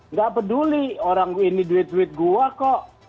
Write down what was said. nggak peduli orang ini duit duit gua kok